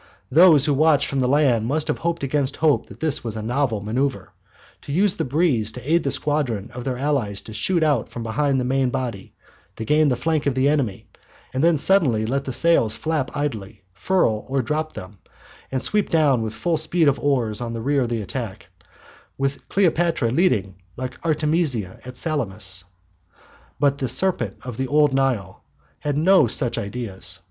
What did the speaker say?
Those who watched from the land must have hoped against hope that this was a novel manoeuvre, to use the breeze to aid the squadron of their allies to shoot out from behind the main body, gain the flank of the enemy, and then suddenly let the sails flap idly, furl or drop them, and sweep down with full speed of oars on the rear of the attack, with Cleopatra leading like Artemisia at Salamis. But the "serpent of old Nile" had no such ideas.